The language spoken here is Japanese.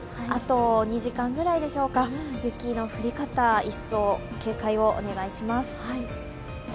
あと２時間くらいでしょうか、雪の降り方、一層警戒をお願いします。